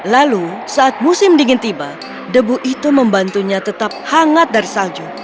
lalu saat musim dingin tiba debu itu membantunya tetap hangat dari salju